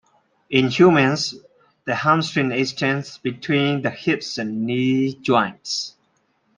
In humans, the hamstring extends between the hip and knee joints.